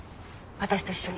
私と一緒に。